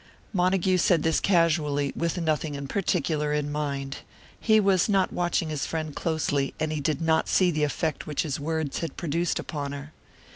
Montague said this casually, and with nothing in particular in mind. He was not watching his friend closely, and he did not see the effect which his words had produced upon her.